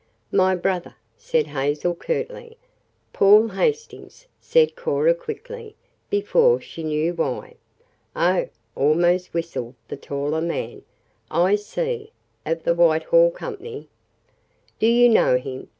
"My brother," said Hazel curtly. "Paul Hastings," said Cora quickly, before she knew why. "Oh!" almost whistled the taller man. "I see; of the Whitehall Company?" "Do you know him?"